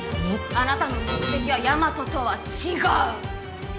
あなたの目的は大和とは違う！